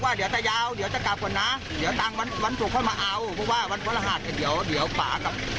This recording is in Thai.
หัวตาจนจะเสร็จแล้วเมียโทรมาบอกให้รถไกลยาวไปดูหน่อยพี่ว่า